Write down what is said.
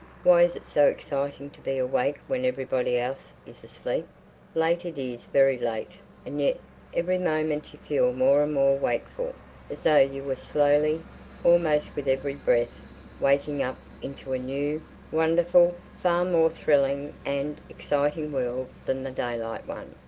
Why is it so exciting to be awake when everybody else is asleep? Late—it is very late! And yet every moment you feel more and more wakeful, as though you were slowly, almost with every breath, waking up into a new, wonderful, far more thrilling and exciting world than the daylight one.